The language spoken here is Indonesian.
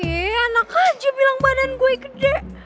ih anak aja bilang badan gue gede